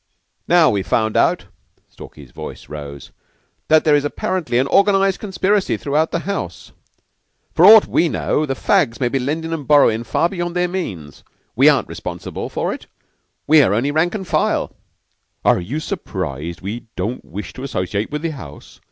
"Now we find out," Stalky's voice rose, "that there is apparently an organized conspiracy throughout the house. For aught we know, the fags may be lendin' and borrowin' far beyond their means. We aren't responsible for it. We're only the rank and file." "Are you surprised we don't wish to associate with the house?"